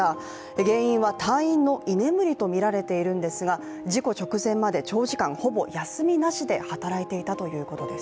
原因は、隊員の居眠りとみられているんですが、事故直前まで長時間ほぼ休みなしで働いていたということです。